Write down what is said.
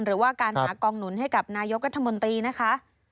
หรือว่าการหากองหนุนให้กับนายกรัฐมนตรีนะคะ